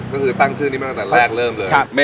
ก็คือตั้งชื่อนี้มาตั้งแต่แรกเริ่มเลย